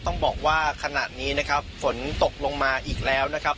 ต้องบอกว่าขณะนี้นะครับฝนตกลงมาอีกแล้วนะครับ